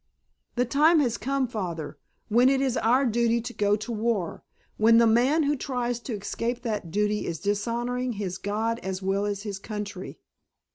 The time has come, Father, when it is our duty to go to war, when the man who tries to escape that duty is dishonoring his God as well as his country.